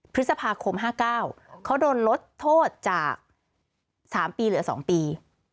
พฤษภาคม๕๙เขาโดนลดโทษจาก๓ปีเหลือ๒ปี